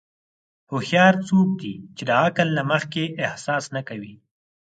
هوښیار څوک دی چې د عقل نه مخکې احساس نه کوي.